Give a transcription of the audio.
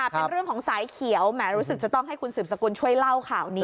เป็นเรื่องของสายเขียวแหมรู้สึกจะต้องให้คุณสืบสกุลช่วยเล่าข่าวนี้